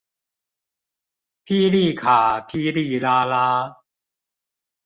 霹靂卡霹靂拉拉